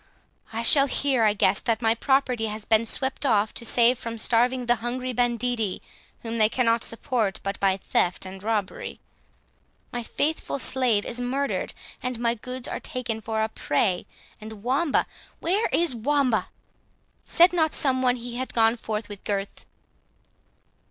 I shall hear, I guess, that my property has been swept off to save from starving the hungry banditti, whom they cannot support but by theft and robbery. My faithful slave is murdered, and my goods are taken for a prey—and Wamba—where is Wamba? Said not some one he had gone forth with Gurth?"